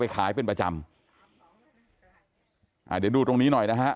ขายเป็นประจำอ่าเดี๋ยวดูตรงนี้หน่อยนะฮะ